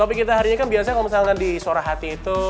topik kita hari ini kan biasanya kalau misalkan di suara hati itu